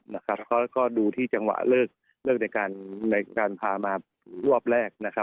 แล้วก็ดูที่จังหวะเลิกในการพามารวบแรก